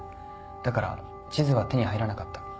だから地図は手に入らなかった。